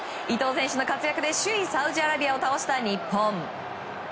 伊東選手の活躍で首位サウジアラビアを倒した日本。